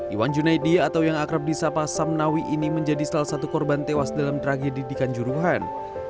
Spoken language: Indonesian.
iwan junaidi atau yang akrab di sapa samnawi ini menjadi salah satu korban tewas dalam tragedi di kanjuruhan